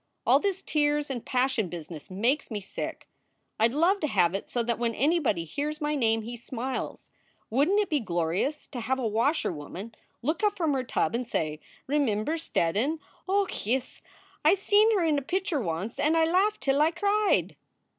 All this tears and passion business makes me sick. I d love to have it so that when anybody hears my name he smiles. Wouldn t it be glorious to have a washer woman look up from her tub and say : Remimber Steddon ? Och, yis, I seen her in a pitcher once and I laughed till I cried